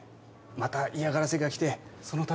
また嫌がらせが来てそのたびに。